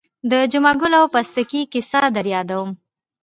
د جمعه ګل او پستکي کیسه در یادوم.